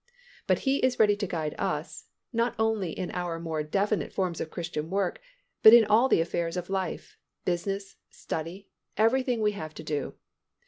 But He is ready to guide us, not only in our more definite forms of Christian work but in all the affairs of life, business, study, everything we have to do.